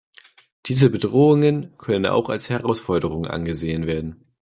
Diese Bedrohungen können auch als Herausforderung angesehen werden.